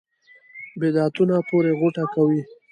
بدعتونو پورې غوټه کوي.